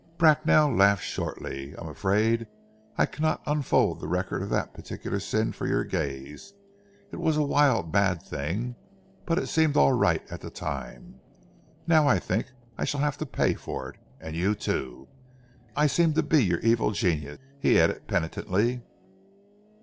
Bracknell laughed shortly. "I am afraid I cannot unfold the record of that particular sin for your gaze. It was a wild, mad thing, but it seemed all right at the time. Now I think I shall have to pay for it and you too. I seem to be your evil genius," he added penitently.